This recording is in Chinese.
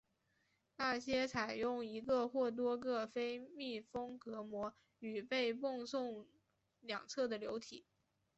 那些采用一个或多个非密封隔膜与被泵送两侧的流体。